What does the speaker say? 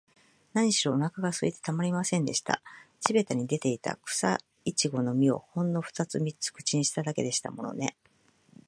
なにしろ、おなかがすいてたまりませんでした。地びたに出ていた、くさいちごの実を、ほんのふたつ三つ口にしただけでしたものね。